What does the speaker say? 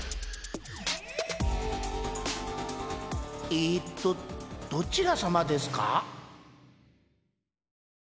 えっとどちらさまですか？